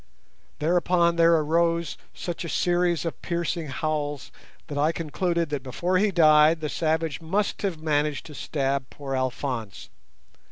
Thereupon there arose such a series of piercing howls that I concluded that before he died the savage must have managed to stab poor Alphonse.